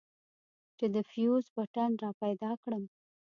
چې د فيوز بټن راپيدا کړم.